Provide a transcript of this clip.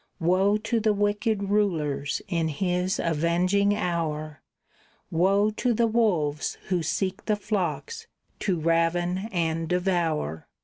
Woe to the wicked rulers in His avenging hour! Woe to the wolves who seek the flocks to raven and devour!